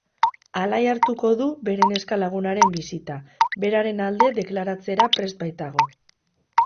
Alai hartuko du bere neska lagunaren visita, beraren alde deklaratzera prest baitago.